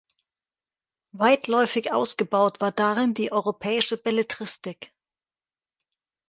Weitläufig ausgebaut war darin die europäische Belletristik.